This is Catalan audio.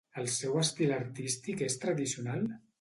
El seu estil artístic és tradicional?